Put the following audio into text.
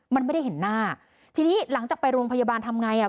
มันไม่ได้เห็นหน้าทีนี้หลังจากไปโรงพยาบาลทำไงอ่ะ